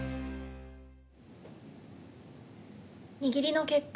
握りの結果